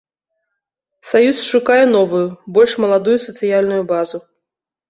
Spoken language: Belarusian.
Саюз шукае новую, больш маладую сацыяльную базу.